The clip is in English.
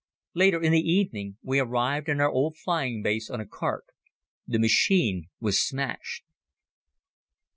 Later in the evening we arrived in our old flying base on a cart. The machine was smashed.